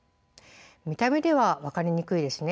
見た目では分かりにくいですね。